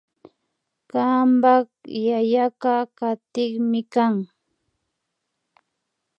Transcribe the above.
Kanpak yayaka takikmi kan